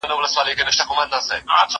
هم له پنده څخه ډکه هم ترخه ده